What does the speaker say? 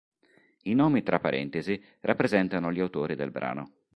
I nomi tra parentesi rappresentano gli autori del brano.